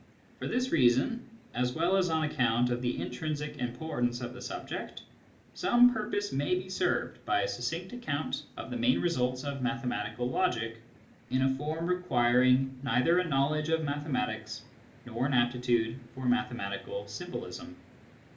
For this reason, as well as on account of the intrinsic importance of the subject, some purpose may be served by a succinct account of the main results of mathematical logic in a form requiring neither a knowledge of mathematics nor an aptitude for mathematical symbolism.